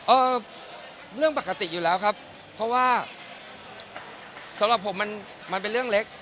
เอ่อเรื่องปกติอยู่แล้วครับเพราะว่าสำหรับผมมันมันเป็นเรื่องเล็ก